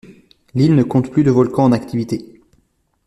L'île ne compte plus de volcan en activité.